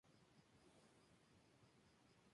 Además, es modelo profesional.